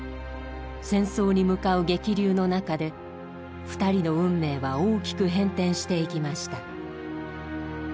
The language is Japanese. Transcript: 戦争に向かう激流の中で２人の運命は大きく変転していきました。